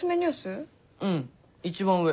うん一番上。